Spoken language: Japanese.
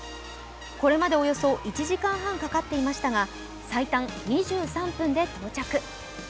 これまでおよそ１時間半かかっていましたが最短２３分で到着。